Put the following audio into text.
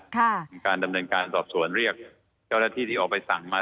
มีการดำเนินการสอบสวนเรียกเจ้าหน้าที่ที่ออกไปสั่งมา